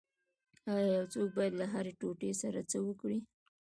ایا یو څوک باید له هرې ټوټې سره څه وکړي